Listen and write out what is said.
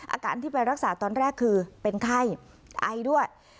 อาการที่ไปรักษาตอนแรกคือเป็นไข้ไอด้วย